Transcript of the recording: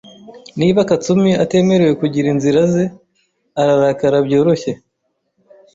Niba Katsumi atemerewe kugira inzira ze, ararakara byoroshye.